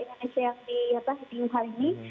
mahasiswa yang diadakan di wuhan ini